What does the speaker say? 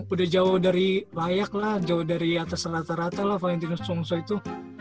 udah jauh dari layak lah jauh dari atas rata rata lah valentinus sungso itu